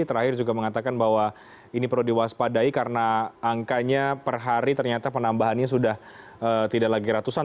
terakhir juga mengatakan bahwa ini perlu diwaspadai karena angkanya per hari ternyata penambahannya sudah tidak lagi ratusan